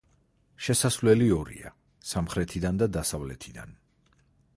შესასვლელი ორია: სამხრეთიდან და დასავლეთიდან.